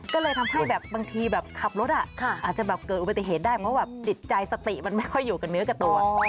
ก็เลยทำให้แบบบางทีแบบขับรถอาจจะแบบเกิดอุบัติเหตุได้เพราะแบบจิตใจสติมันไม่ค่อยอยู่กับเนื้อกับตัว